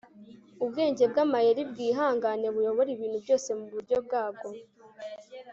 Ubwenge bwamayeri bwihangane buyobora ibintu byose muburyo bwabwo